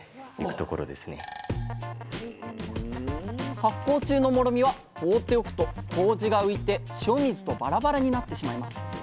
発酵中のもろみは放っておくとこうじが浮いて塩水とバラバラになってしまいます。